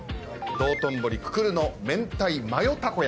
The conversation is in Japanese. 「道頓堀くくる」の明太マヨたこ焼きと。